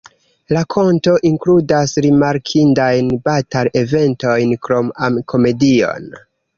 La rakonto inkludas rimarkindajn batal-eventojn krom am-komedion.